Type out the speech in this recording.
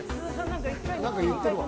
何か言ってるわ。